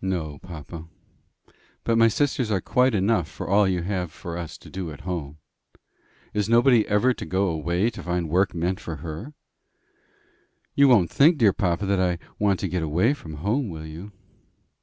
"No, papa. But my sisters are quite enough for all you have for us to do at home. Is nobody ever to go away to find the work meant for her? You won't think, dear papa, that I want to get away from home, will you?"